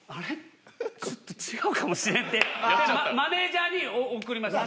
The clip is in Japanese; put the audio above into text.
ちょっと違うかもしれんってマネージャーに送りました。